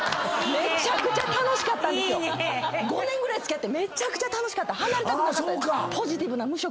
５年ぐらい付き合ってめちゃくちゃ楽しかった。